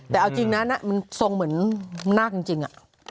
แต่เอาจริงนะมันทรงเหมือนนาคจริง